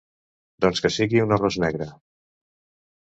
Doncs que sigui un arròs negre.